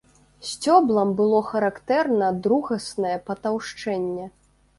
Сцёблам было характэрна другаснае патаўшчэнне.